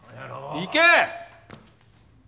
行け！